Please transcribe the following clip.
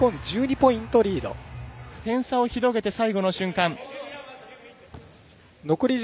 点差を広げて最後の瞬間。